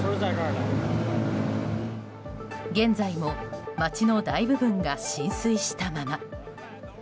現在も街の大部分が浸水したまま。